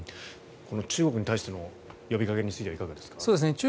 この中国に対しての呼びかけについてはいかがですか？